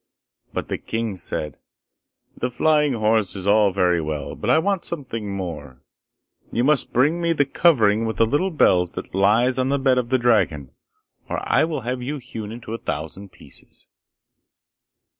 But the king said, 'The flying horse is all very well, but I want something more. You must bring me the covering with the little bells that lies on the bed of the dragon, or I will have you hewn into a thousand pieces.